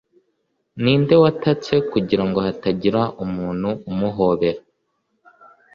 ninde watatse kugirango hatagira umuntu umuhobera